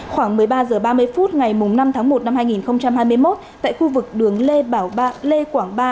khoảng một mươi ba h ba mươi phút ngày năm tháng một năm hai nghìn hai mươi một tại khu vực đường lê quảng ba